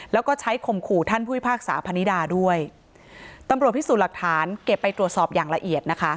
แล้วก็ใช้ข่มขู่ท่านผู้พิพากษาพนิดาด้วยตำรวจพิสูจน์หลักฐานเก็บไปตรวจสอบอย่างละเอียดนะคะ